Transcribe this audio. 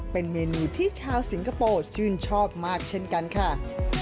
เป็นเมนูที่ชาวสิงคโปร์ชื่นชอบมากเช่นกันค่ะ